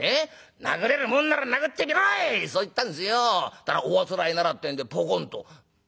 ったらおあつらえならってんでポコンと」。